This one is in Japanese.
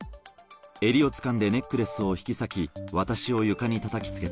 襟をつかんでネックレスを引き裂き、私を床にたたきつけた。